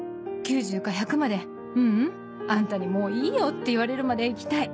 ９０か１００までううんあんたにもういいよって言われるまで生きたい。